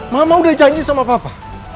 mama udah janji sama papa